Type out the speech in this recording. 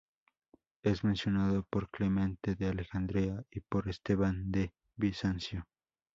Es mencionado por Clemente de Alejandría y por Esteban de Bizancio.